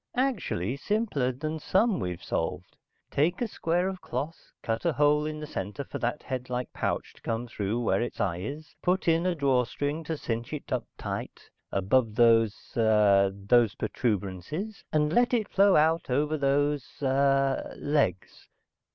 "Actually simpler than some we've solved. Take a square of cloth, cut a hole in the center for that headlike pouch to come through where its eye is, put in a draw string to cinch it up tight, above those ah those protuberances, and let it flow out over those ah legs.